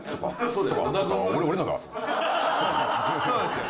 そうですよ。